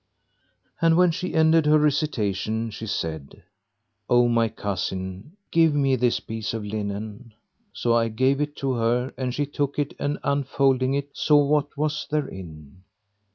And when she ended her recitation she said, "O my cousin, give me this piece of linen." So I gave it to her and she took it and unfolding it, saw what was therein.